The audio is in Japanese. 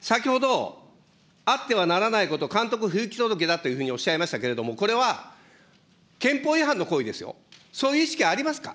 先ほど、あってはならないこと、監督不行き届きだというふうにおっしゃいましたけれども、これは、憲法違反の行為ですよ、そういう意識ありますか。